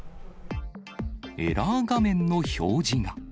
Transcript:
エラー画面の表示が。